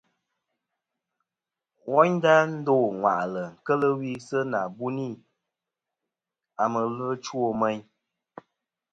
Wayndà dô ŋwàʼlɨ keli wi si na buni a ma ɨlvɨ ɨ chow meyn.